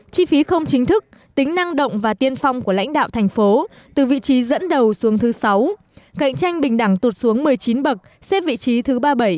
chi phí không chính thức tính năng động và tiên phong của lãnh đạo thành phố từ vị trí dẫn đầu xuống thứ sáu cạnh tranh bình đẳng tụt xuống một mươi chín bậc xếp vị trí thứ ba mươi bảy